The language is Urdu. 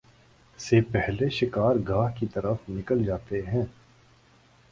سے پہلے شکار گاہ کی طرف نکل جاتے ہیں